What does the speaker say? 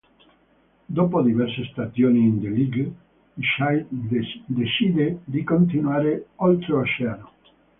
Dopo diverse stagioni in D-League, decide di continuare oltreoceano.